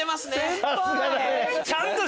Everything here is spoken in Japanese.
先輩！